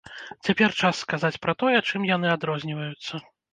Цяпер час сказаць пра тое, чым яны адрозніваюцца.